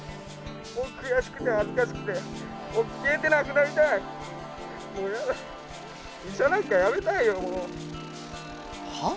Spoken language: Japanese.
悔しくて恥ずかしくて消えてなくなりたいもうヤダ医者なんかやめたいよはッ？